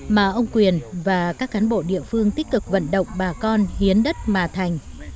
mà ông quyền và các cán bộ địa phương tích cực vận động bà con hiến đất mà thành